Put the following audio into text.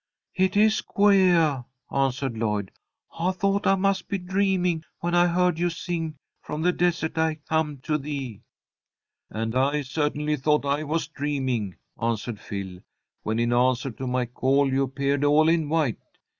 "It is queah," answered Lloyd. "I thought I must be dreaming when I heard you sing 'From the desert I come to thee.'" "And I certainly thought I was dreaming," answered Phil, "when, in answer to my call, you appeared all in white.